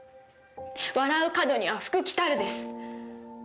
笑う門には福来たるです。